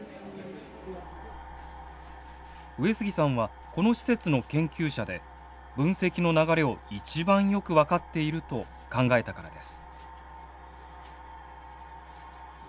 上椙さんはこの施設の研究者で分析の流れを一番よく分かっていると考えたからです。